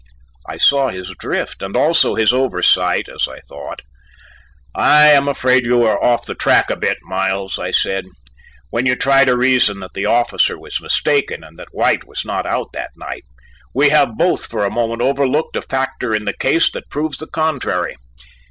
I saw his drift and also his oversight, as I thought. "I am afraid you are off the track a bit, Miles," I said, "when you try to reason that the officer was mistaken and that White was not out that night. We have both for a moment overlooked a factor in the case that proves the contrary.